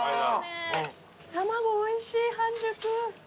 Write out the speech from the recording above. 卵おいしい半熟。